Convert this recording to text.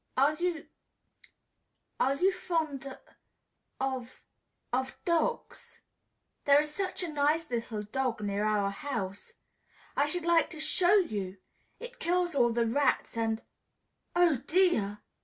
"Are you are you fond of of dogs? There is such a nice little dog near our house, I should like to show you! It kills all the rats and oh, dear!"